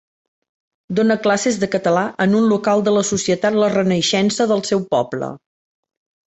Donà classes de català en un local de la Societat La Renaixença del seu poble.